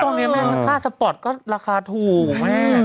ตอนนี้แม่ค่าสปอร์ตก็ราคาถูกแม่